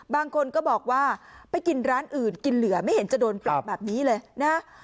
บางคนก็บอกว่าไปกินร้านอื่นกินเหลือไม่เห็นจะโดนปรับแบบนี้เลยนะ